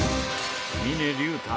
峰竜太